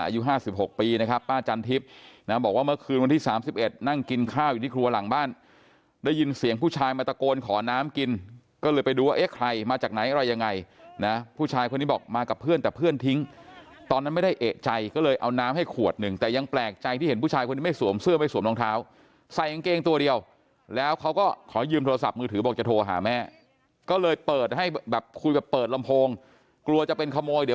อยู่ที่ครัวหลังบ้านได้ยินเสียงผู้ชายมาตะโกนขอน้ำกินก็เลยไปดูว่าเอ๊ะใครมาจากไหนอะไรยังไงนะผู้ชายคนนี้บอกมากับเพื่อนแต่เพื่อนทิ้งตอนนั้นไม่ได้เอกใจก็เลยเอาน้ำให้ขวดหนึ่งแต่ยังแปลกใจที่เห็นผู้ชายคนนี้ไม่สวมเสื้อไม่สวมน้องเท้าใส่อังเกงตัวเดียวแล้วเขาก็ขอยืมโทรศัพท์มือถือบอกจะโทรหาแม่ก็